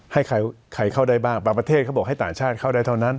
ให้ใครเข้าได้บ้างบางประเทศเขาบอกให้ต่างชาติเข้าได้เท่านั้น